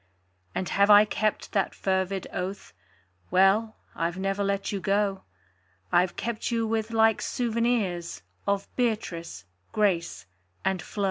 And have I kept that fervid oath? Well I've never let you go: I've kept you with like souvenirs Of Beatrice, Grace and Flo.